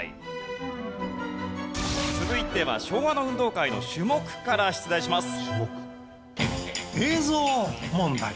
続いては昭和の運動会の種目から出題します。